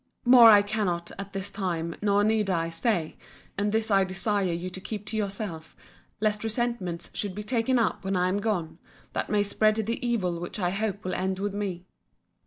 More I cannot, at this time, nor need I say: and this I desire you to keep to yourself, lest resentments should be taken up when I am gone, that may spread the evil which I hope will end with me.